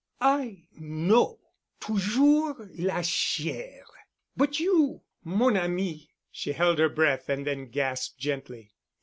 I know. Toujours la chair.... But you—mon ami—" She held her breath and then gasped gently.